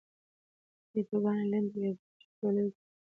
ویډیوګانې لنډې وي ځکه چې تولید ګران دی.